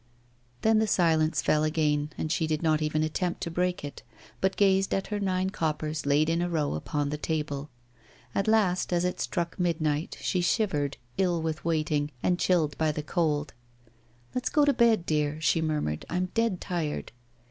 Then the silence fell again, and she did not even attempt to break it, but gazed at her nine coppers laid in a row upon the table. At last, as it struck midnight, she shivered, ill with waiting and chilled by the cold. 'Let's go to bed, dear,' she murmured; 'I'm dead tired.